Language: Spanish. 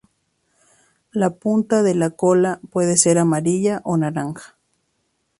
La punta de la cola puede ser amarilla o naranja.